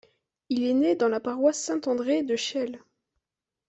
Il est né dans la paroisse Saint-André de Chelles.